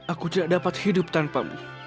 aku tidak dapat hidup tanpamu